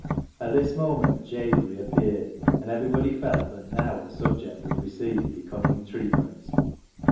At this moment Jabe reappeared, and every body felt that now the subject would receive becoming treatment.